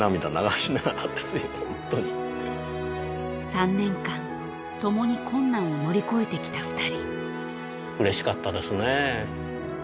［３年間共に困難を乗り越えてきた２人］